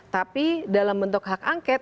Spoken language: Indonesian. tapi dalam bentuk hak angket